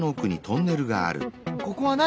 ここは何？